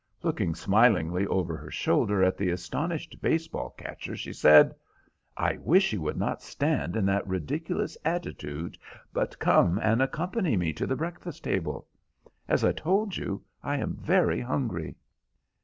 Looking smilingly over her shoulder at the astonished baseball catcher, she said— "I wish you would not stand in that ridiculous attitude, but come and accompany me to the breakfast table. As I told you, I am very hungry."